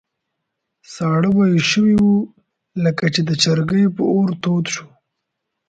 ساړه به یې شوي وو، لکه چې د چرګۍ په اور تود شو.